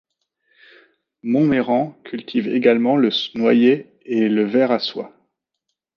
Montmeyran cultive également le noyer et le ver à soie.